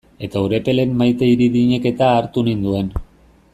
Eta Urepelen Maite Idirinek-eta hartu ninduen.